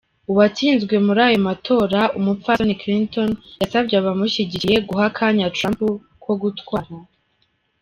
Uwatsinzwe muri ayo matora, umupfasoni Clinton yasavye abamushigikiye “guha akanya Trump ko gutwara”.